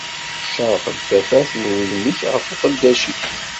Cerq-d tafat n wudem-ik ɣef uqeddac-ik.